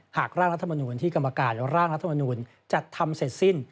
หากร่างรัฐมนูลที่กรรมการร่างรัฐมนูลจัดทำเสร็จสิ้น